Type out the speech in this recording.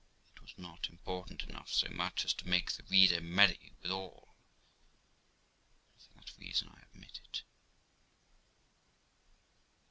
It was not important enough so much as to make the reader merry withal, and for that reason I omit it.